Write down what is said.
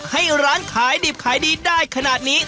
ให้ร้านขายดิบขายดีได้ขนาดนี้